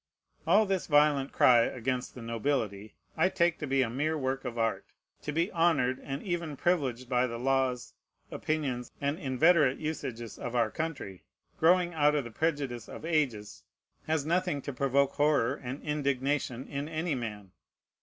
All this violent cry against the nobility I take to be a mere work of art. To be honored and even privileged by the laws, opinions, and inveterate usages of our country, growing out of the prejudice of ages, has nothing to provoke horror and indignation in any man.